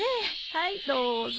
はいどうぞ。